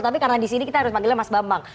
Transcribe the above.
tapi karena disini kita harus manggilnya mas bambang